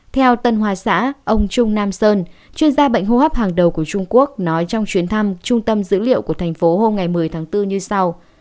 theo tân hoa xã ông trung nam sơn chuyên gia bệnh hô hấp hàng đầu của trung quốc nói trong chuyến thăm trung tâm dữ liệu của thành phố hôm ngày một mươi tháng bốn như sau